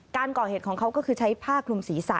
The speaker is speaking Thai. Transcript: การก่อเหตุของเขาก็คือใช้ผ้าคลุมศีรษะ